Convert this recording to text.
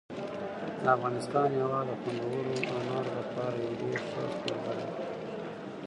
د افغانستان هېواد د خوندورو انارو لپاره یو ډېر ښه کوربه دی.